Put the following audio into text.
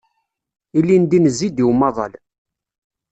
Ilindi nezzi-d i umaḍal.